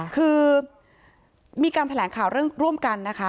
คือมีการแถลงข่าวเรื่องร่วมกันนะคะ